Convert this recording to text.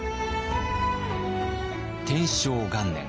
天正元年